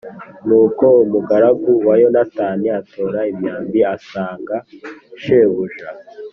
Nuko umugaragu wa Yonatani atora imyambi asanga shebuja.